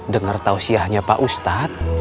dengar tausiahnya pak udia